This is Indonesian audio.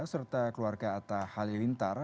serta keluarga atta halilintar